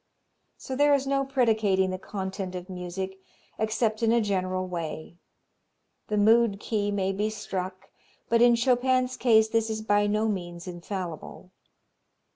So there is no predicating the content of music except in a general way; the mood key may be struck, but in Chopin's case this is by no means infallible.